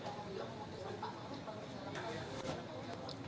apakah anda merasa sedih ketika melihat pertimbangan pertimbangan yang telah dilakukan oleh beliau